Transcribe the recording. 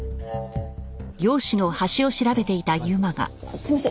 すいません